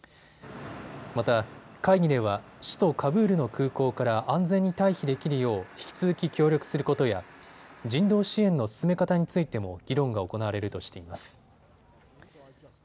また会議では、首都カブールの空港から安全に退避できるよう引き続き協力することや人道支援の進め方についても議論が行われるとしています。